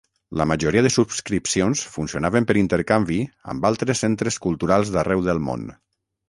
La majoria de subscripcions funcionaven per intercanvi amb altres centres culturals d'arreu del món.